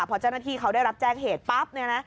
พอเจ้าหน้าที่เขาได้รับแจ้งเหตุปั๊บเนี่ยนะ